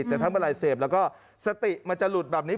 แต่ทำอะไรเสพแล้วก็สติจะหลุดแบบนี้